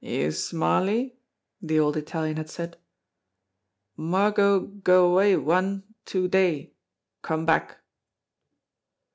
"You Smarly?" the old Italian had said. "Margot go away one, two day come back."